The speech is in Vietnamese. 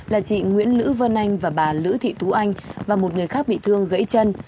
là chị nguyễn nữ vân anh và bà lữ thị tú anh và một người khác bị thương gãy chân